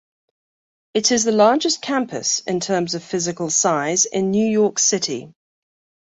It is the largest campus, in terms of physical size, in New York City.